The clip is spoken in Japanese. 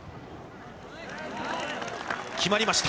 決まりました。